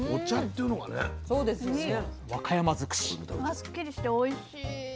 わっすっきりしておいしい！